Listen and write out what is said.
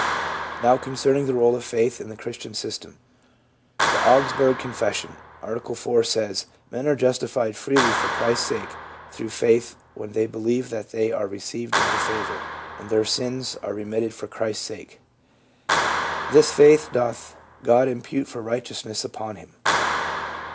Now concerning the role of faith in the Christian system. The Augsburg Confession, Article IV, says :" Men are justified freely for Christ's sake through faith when they be lieve that they are received into favor, and their sins are re mitted for Christ's sake ; this faith doth God impute for righteousness upon Him."